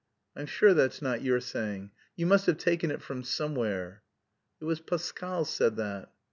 "I'm sure that's not your saying. You must have taken it from somewhere." "It was Pascal said that."